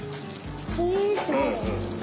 へえすごい。